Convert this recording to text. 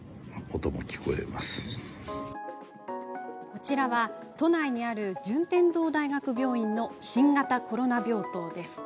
こちらは都内にある順天堂大学病院の新型コロナ病棟です。